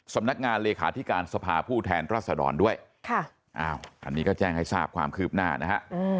สำนักงานเลขาธิการสภาผู้แทนรัศดรด้วยอันนี้ก็แจ้งให้ทราบความคืบหน้านะฮะ